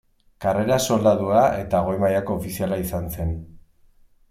Karrera soldadua eta goi-mailako ofiziala izan zen.